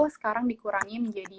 sekarang dikurangi menjadi